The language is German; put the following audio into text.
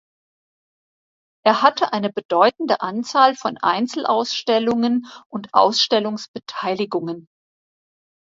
Er hatte eine bedeutende Anzahl von Einzelausstellungen und Ausstellungsbeteiligungen.